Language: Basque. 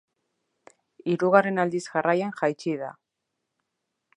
Hirugarren aldiz jarraian jaitsi da.